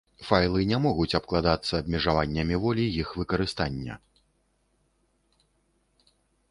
Файлы не могуць абкладацца абмежаваннямі волі іх выкарыстання.